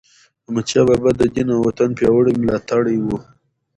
احمدشاه بابا د دین او وطن پیاوړی ملاتړی و.